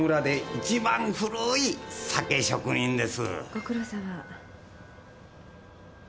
ご苦労さま。